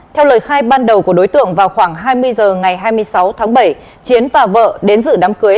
theo lời khai ban đầu của đối tượng vào khoảng hai mươi h ngày hai mươi sáu tháng bảy chiến và vợ đến giữ đám cưới